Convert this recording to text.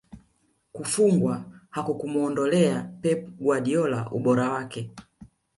Kufungwa hakukumuondolea Pep Guardiola ubora wake